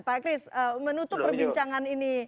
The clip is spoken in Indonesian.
pak kris menutup perbincangan ini